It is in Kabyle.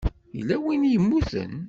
Yella win i yemmuten.